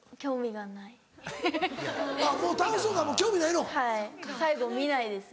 はい最後見ないです